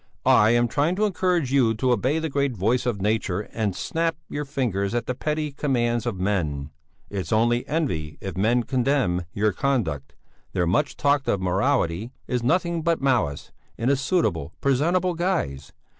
"I am trying to encourage you to obey the great voice of nature and snap your fingers at the petty commands of men. It's only envy if men condemn your conduct; their much talked of morality is nothing but malice, in a suitable, presentable guise.